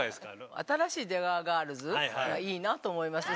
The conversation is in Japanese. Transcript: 新しい出川ガールズいいなと思いました